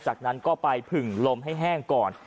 จากนั้นก็ไปผึ่งลมให้แห้งก่อน